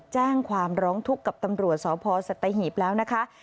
แจ้งความร้องทุกข์กับตำรวจสพสัตหีบแล้วนะคะ